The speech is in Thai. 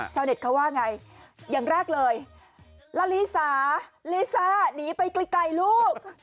ชาวเน็ตเขาว่าไงอย่างแรกเลยละลิสาลิซ่าหนีไปไกลลูก